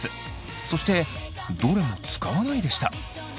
そしてどれも使わないでした。